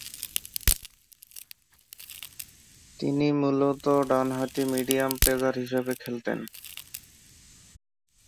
তিনি মূলত ডানহাতি মিডিয়াম পেসার হিসেবে খেলতেন।